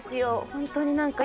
ホントに何か。